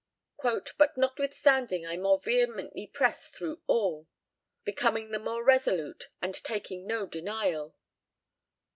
"But notwithstanding I more vehemently pressed through all," becoming the more resolute and "taking no denial."